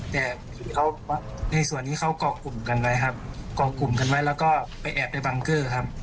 แต่เขาในส่วนที่เขากรอกกลุ่มกันไว้ครับกรอกกลุ่มกันไว้แล้วก็ไปแอบไปบังเกอร์ครับ